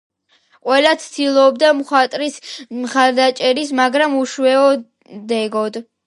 ყველა ცდილობდა მხატვრის მხარდაჭერას, მაგრამ უშედეგოდ.